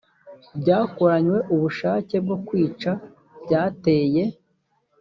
byakoranywe ubushake bwo kwica byateye